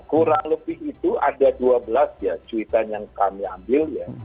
kurang lebih itu ada dua belas ya cuitan yang kami ambil ya